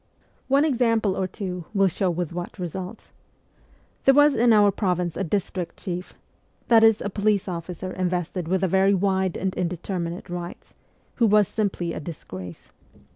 One example or two will show with what results. There was in our province a ' district chief ' that is, a police officer invested with very wide and indeter minate rights who was simply a disgrace.